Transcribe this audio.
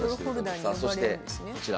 さあそしてこちら。